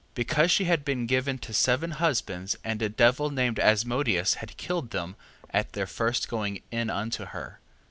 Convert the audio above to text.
Because she had been given to seven husbands and a devil named Asmodeus had killed them, at their first going in unto her.